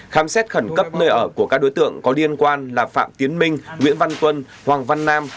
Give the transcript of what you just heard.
khám xét khẩn cấp nơi ở của các đối tượng có liên quan là phạm tiến minh nguyễn văn tuân hoàng văn nam